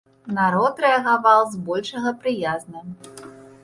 Народ рэагаваў збольшага прыязна.